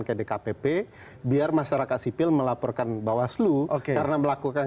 melaporkan ke dkpp biar masyarakat sipil melaporkan bahwa slu oke karena melakukan